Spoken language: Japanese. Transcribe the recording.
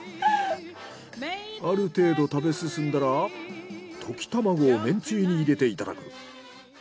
ある程度食べ進んだら溶き卵をめんつゆに入れていただく。